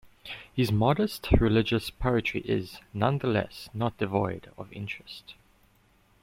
His modest religious poetry is, nonetheless, not devoid of interest.